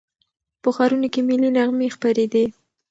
په ښارونو کې ملي نغمې خپرېدې.